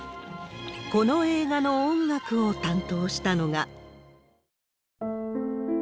この映画の音楽を担当したのが。